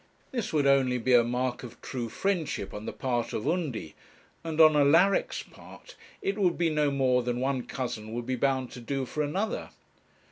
This would only be a mark of true friendship on the part of Undy; and on Alaric's part, it would be no more than one cousin would be bound to do for another.